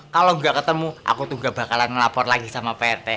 kalau nggak ketemu aku tuh nggak bakalan lapor lagi sama pak rt